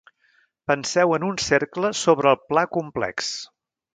Penseu en un cercle sobre el pla complex.